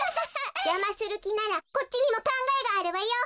じゃまするきならこっちにもかんがえがあるわよ。